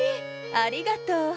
ありがとう。